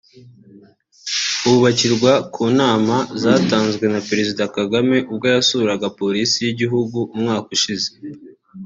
hubakirwa ku nama zatanzwe na Perezida Kagame ubwo yasuraga Polisi y’igihugu umwaka ushize